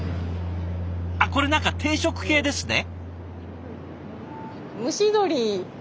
あっこれ何か定食系ですね。